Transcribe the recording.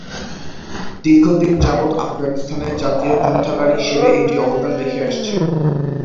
দীর্ঘদিন যাবত আফগানিস্তানের জাতীয় গ্রন্থাগার হিসাবে এটি অবদান রেখে আসছে।